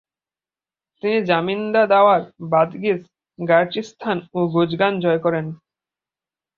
তিনি জামিন্দাওয়ার, বাদগিস, গারচিস্তান ও গুজগান জয় করেন।